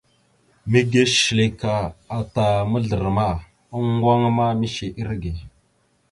Mege shəlek ata mazlarəma, oŋŋgoŋa ma mishe irəge.